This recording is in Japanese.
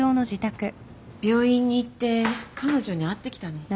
病院に行って彼女に会ってきたの。